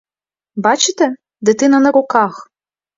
Бачите, дитина на руках.